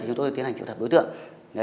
chúng tôi tiến hành triệu tập đối tượng